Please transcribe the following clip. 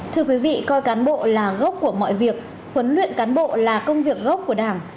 thưa quý vị coi cán bộ là gốc của mọi việc huấn luyện cán bộ là công việc gốc của đảng